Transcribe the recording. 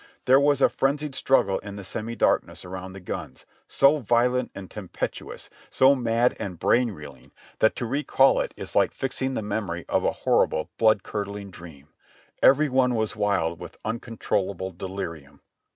There was a frenzied struggle in the semi darkness around the guns, so violent and tempestuous, so mad and brain reeling that to 252 JOHNNY REB AND BILLY YANK recall it is like fixing the memory of a horrible, blood curdling dream. Every one was wild with uncontrollable delirium.